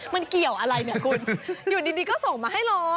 มันเกี่ยวอะไรเนี่ยคุณอยู่ดีก็ส่งมาให้รอ